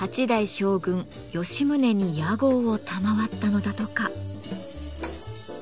将軍吉宗に屋号を賜ったのだとか。